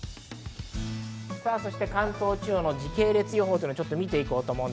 そして関東地方の時系列予報を見ていきます。